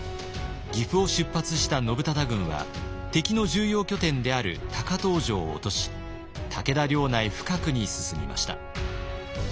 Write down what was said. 岐阜を出発した信忠軍は敵の重要拠点である高遠城を落とし武田領内深くに進みました。